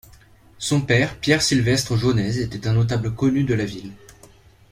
Son père, Pierre-Sylvestre Jaunez était un notable connu de la ville.